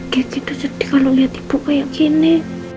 kayak gitu sedih kalo liat ibu kayak gini